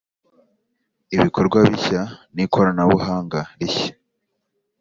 Ibikorwa bishya n koranabuhanga rishya